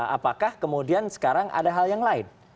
apakah kemudian sekarang ada hal yang lain